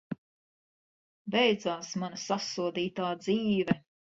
Beidzās mana sasodītā dzīve!